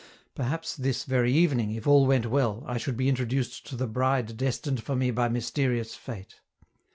Perhaps this very evening, if all went well, I should be introduced to the bride destined for me by mysterious fate.